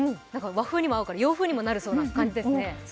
和風にも合うから洋風にもなりそうですね。